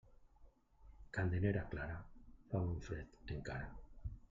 Candelera clara, fa bon fred encara.